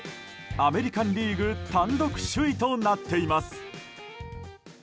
アメリカン・リーグ単独首位となっています。